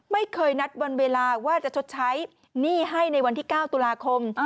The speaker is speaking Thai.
ไม่เคยนัดวันเวลาว่าจะชดใช้หนี้ให้ในวันที่๙ตุลาคม